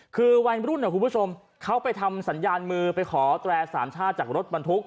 คือวัยรุ่นคุณผู้ชมเขาไปทำสัญญาณมือไปขอแตรสามชาติจากรถบรรทุก